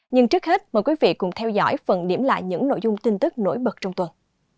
nhưng trước hết mời quý vị cùng theo dõi phần điểm lại những nội dung tin tức nổi bật trong tuần